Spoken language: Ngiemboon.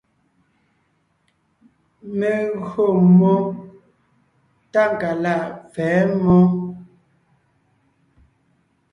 Mé gÿo mmó Tákalaʼ pfɛ̌ mmó.